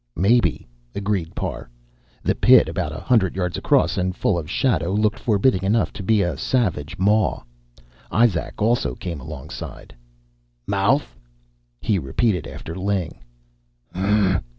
"Maybe," agreed Parr. The pit, about a hundred yards across and full of shadow, looked forbidding enough to be a savage maw. Izak also came alongside. "Mouth?" he repeated after Ling.